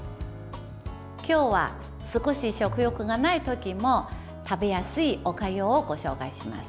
今日は少し食欲がない時も食べやすいおかゆをご紹介します。